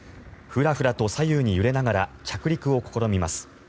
ふらふらと左右に揺れながら着陸を試みます。